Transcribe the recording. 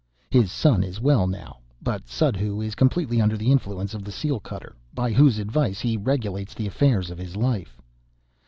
His son is well now; but Suddhoo is completely under the influence of the seal cutter, by whose advice he regulates the affairs of his life.